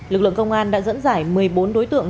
lực lượng công an đã dẫn giải một mươi bốn đối tượng